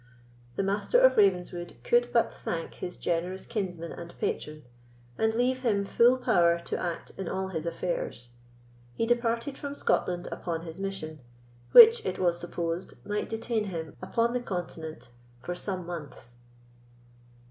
The master of Ravenswood could but thank his generous kinsman and patron, and leave him full power to act in all his affairs. He departed from Scotland upon his mission, which, it was supposed, might detain him upon the continent for some months.